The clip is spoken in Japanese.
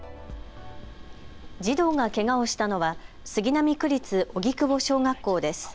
児童がけがをしたのは杉並区立荻窪小学校です。